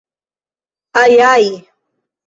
Aj, aj!